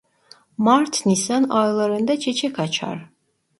Mart-Nisan aylarında çiçek açar.